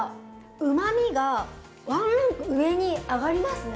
うまみがワンランク上に上がりますね。